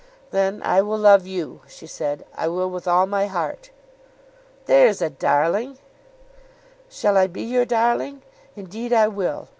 "Then I will love you," she said. "I will with all my heart." "There's a darling!" "Shall I be your darling? Indeed I will.